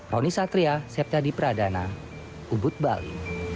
roni satria septyadi pradana ubud bali